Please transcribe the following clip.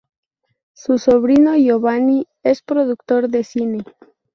Su sobrino Giovanni es productor de cine.